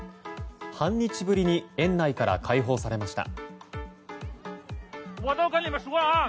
半日ぶりに園内から解放されました。